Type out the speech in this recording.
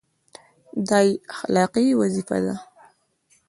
دا یې اخلاقي وظیفه ده.